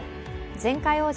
前回王者